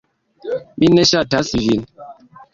"Mi ne ŝatas vin."